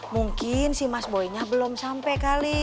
mungkin si mas boynya belum sampe kali